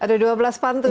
ada dua belas pantun